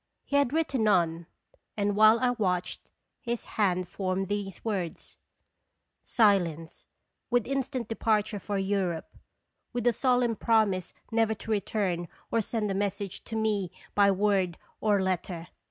He had written on, and while I watched, his hand formed these words :" Silence, with instant departure for Europe, with a solemn promise never to return or send a message to me by word or letter.